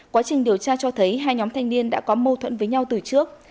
quá trình điều tra cho thấy hai nhóm thanh niên đã có mâu thuẫn với nhau từ trước